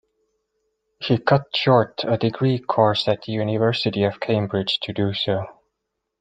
He cut short a degree course at the University of Cambridge to do so.